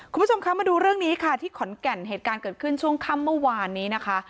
คุณผู้ชมคะมาดูเรื่องนี้ค่ะที่ขอนแก่นเหตุการณ์เกิดขึ้นช่วงค่ำเมื่อวานนี้นะคะ